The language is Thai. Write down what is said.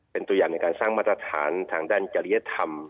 เป็นตัวอย่างในการสร้างมาตรฐานทางด้านจริยธรรม